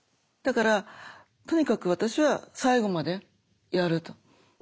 だからとにかく私は最後までやると。